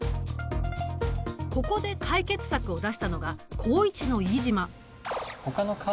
ここで解決策を出したのが高１の飯島。